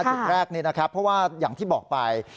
จุดแรกนี่นะครับเพราะว่าอย่างที่บอกไป